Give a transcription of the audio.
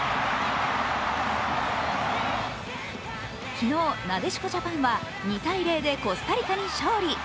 昨日、なでしこジャパンは２−０でコスタリカに勝利。